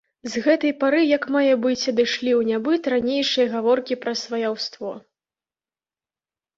З гэтай пары як мае быць адышлі ў нябыт ранейшыя гаворкі пра сваяўство.